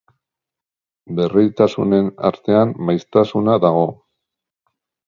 Berritasunen artean maiztasuna dago.